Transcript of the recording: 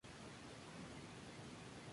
Es de ascendencia irlandesa.